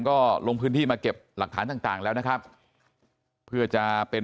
ก็ลงพื้นที่มาเก็บหลักฐานต่างต่างแล้วนะครับเพื่อจะเป็น